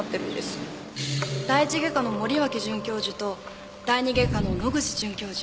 第一外科の森脇准教授と第二外科の野口准教授。